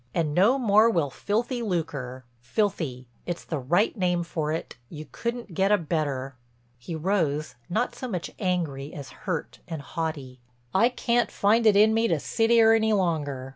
And no more will filthy lucre. Filthy—it's the right name for it, you couldn't get a better." He rose, not so much angry as hurt and haughty. "I can't find it in me to sit 'ere any longer.